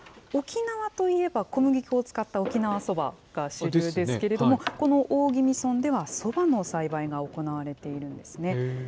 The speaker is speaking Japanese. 沖縄といえば小麦粉を使った沖縄そばが主流ですけれども、この大宜味村では、そばの栽培が行われているんですね。